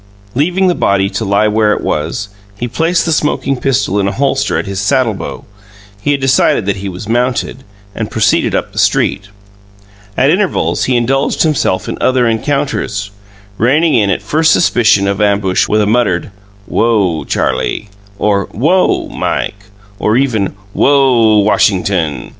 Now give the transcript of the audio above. Leaving the body to lie where it was, he placed the smoking pistol in a holster at his saddlebow he had decided that he was mounted and proceeded up the street. At intervals he indulged himself in other encounters, reining in at first suspicion of ambush with a muttered, "Whoa, Charlie!" or "Whoa, Mike!" or even "Whoa, Washington!"